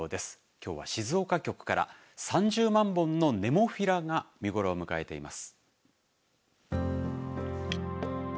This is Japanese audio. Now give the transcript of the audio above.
きょうは静岡局から３０万本のネモフィラが見頃を迎えています。